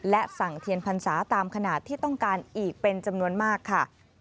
และสั่งเทียนพรรษาตามขนาดที่ต้องการอีกเป็นจำนวนมากค่ะ